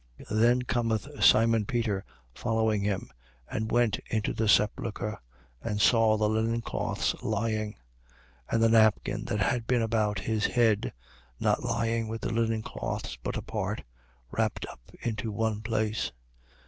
20:6. Then cometh Simon Peter, following him, and went into the sepulchre: and saw the linen cloths lying, 20:7. And the napkin that had been about his head, not lying with the linen cloths, but apart, wrapped up into one place.